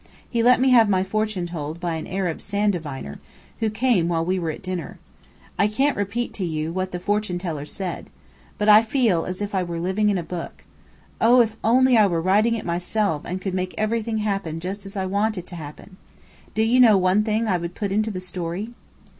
He let me have my fortune told by an Arab sand diviner, who came while we were at dinner. I can't repeat to you what the fortune teller said. But I feel as if I were living in a book. Oh, if only I were writing it myself and could make everything happen just as I want it to happen! Do you know one thing I would put into the story?"